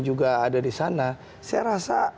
juga ada di sana saya rasa